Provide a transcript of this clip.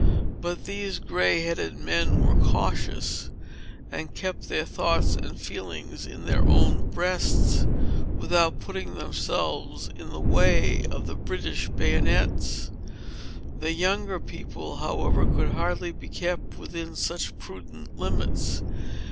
But those gray headed men were cautious, and kept their thoughts and feelings in their own breasts, without putting themselves in the way of the British bayonets. The younger people, however, could hardly be kept within such prudent limits.